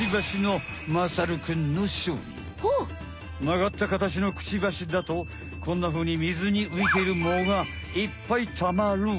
まがったかたちのクチバシだとこんなふうに水に浮いている藻がいっぱいたまる。